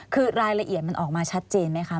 คือรายละเอียดมันออกมาชัดเจนไหมคะ